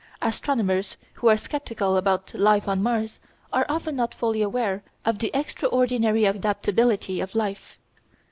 Astronomers who are sceptical about life on Mars are often not fully aware of the extraordinary adaptability of life.